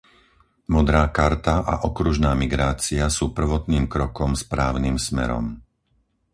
Modrá karta a okružná migrácia sú prvotným krokom správnym smerom.